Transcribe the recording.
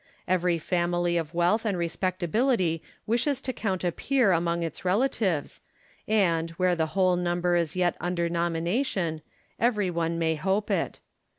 Every family of wealth and respectability wishes to count a peer among its relatives, and, where the whole number is yet under GENERAL LACY AND CUR A MERINO. 135 nomination, every one may hope it.